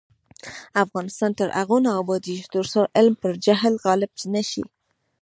افغانستان تر هغو نه ابادیږي، ترڅو علم پر جهل غالب نشي.